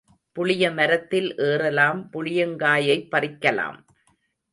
புளியமரத்தில் ஏறலாம், புளியங்காயைப் பறிக்கலாம்.